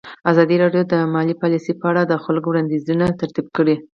ازادي راډیو د مالي پالیسي په اړه د خلکو وړاندیزونه ترتیب کړي.